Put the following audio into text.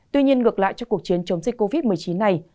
tuy nhiên ngược lại cho cuộc chiến chống dịch covid một mươi chín này